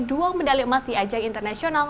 dua medali emas di ajang internasional